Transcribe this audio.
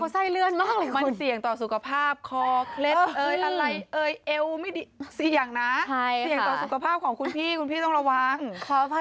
ซ่อมเถอะค่ะขอร้องนะ